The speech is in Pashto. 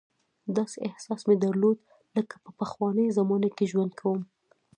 داسې احساس مې درلود لکه په پخوانیو زمانو کې ژوند کوم.